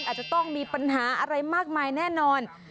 อาจจะต้องมีปัญหาอะไรมากมายแน่นอน